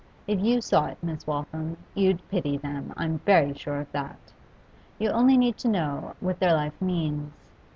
If you saw it, Miss Waltham, you'd pity them, I'm very sure of that! You only need to know what their life means.